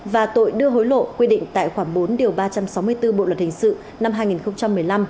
và tội đưa hối lộ quy định tại khoảng bốn điều ba trăm sáu mươi bốn bộ luật hình sự năm hai nghìn một mươi năm